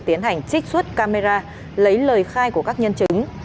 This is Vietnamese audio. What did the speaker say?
tiến hành trích xuất camera lấy lời khai của các nhân chứng